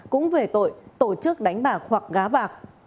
cũng về tội tổ chức đánh bạc hoặc gá bạc